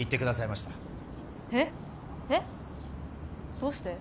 どうして？